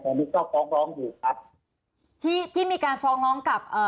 อันนี้ก็ฟ้องร้องอยู่ครับที่ที่มีการฟ้องร้องกับเอ่อ